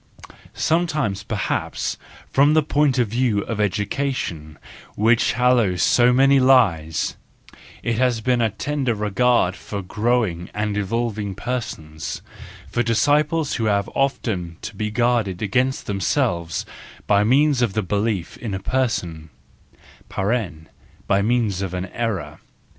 Sometimes, perhaps, from the point of view of education which hallows so many lies, it has been a tender regard for growing and evolving persons, for disciples who have often to be guarded against themselves by means of the belief in a person (by means of an error).